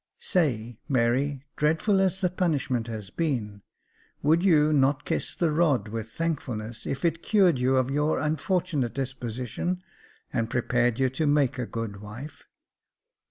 Say, Mary, dreadful as the punishment has been, would you not kiss the rod with thankfulness, if it cured you of your unfortunate dis position, and prepared you to make a good wife